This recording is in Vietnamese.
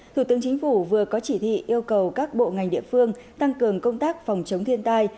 thủ tướng chính phủ vừa có chỉ thị yêu cầu các bộ ngành địa phương tăng cường công tác phòng chống thiên tai